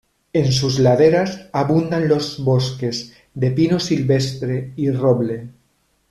En sus laderas abundan los bosques de pino silvestre y roble.